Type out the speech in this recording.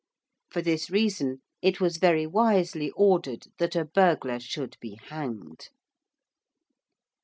For this reason it was very wisely ordered that a burglar should be hanged.